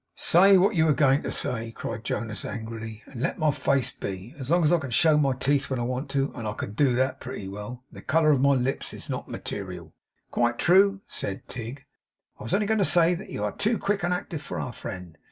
'Say what you were going to say,' cried Jonas angrily, 'and let my face be! As long as I can show my teeth when I want to (and I can do that pretty well), the colour of my lips is not material.' 'Quite true,' said Tigg. 'I was only going to say that you are too quick and active for our friend.